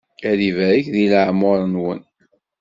Ad ibarek di leεmuṛ-nwen!